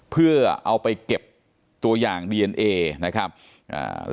เพื่อเอาไปเก็บตัวอย่างดีเอนเอนะครับอ่า